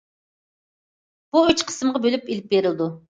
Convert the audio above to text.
بۇ ئۈچ قىسىمغا بۆلۈپ ئېلىپ بېرىلىدۇ.